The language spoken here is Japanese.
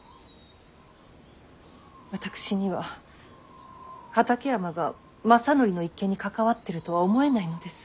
私には畠山が政範の一件に関わってるとは思えないのです。